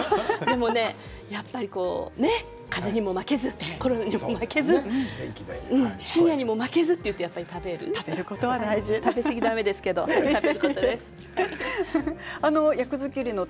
でも、かぜにも負けずコロナにも負けず深夜にも負けずとなるとやっぱり食べる食べ過ぎはだめですけれども食べることです。